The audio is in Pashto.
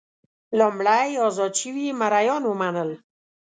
لومړی ازاد شوي مریان ومنل.